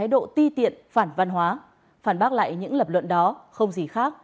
đi tiện phản văn hóa phản bác lại những lập luận đó không gì khác